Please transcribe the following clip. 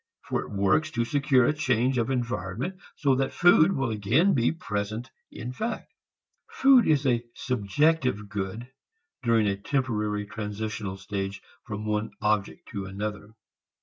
For it works to secure a change of environment so that food will again be present in fact. Food is a "subjective" good during a temporary transitional stage from one object to another.